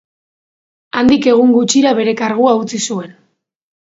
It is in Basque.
Handik egun gutxira bere kargua utzi zuen.